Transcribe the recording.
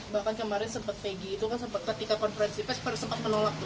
bahkan kemarin sempat peggy itu kan ketika konferensi pesper sempat menolak tuh